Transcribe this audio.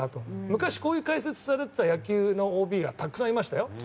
昔、こういう解説をされてた野球のＯＢはたくさんいましたよ。